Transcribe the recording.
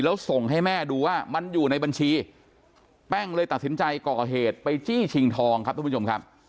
แล้วส่งให้แม่ดูว่ามันอยู่ในบัญชีแป้งเลยตัดสินใจก่อเหตุไปจี้ชิงทองครับทุกผู้ชมครับ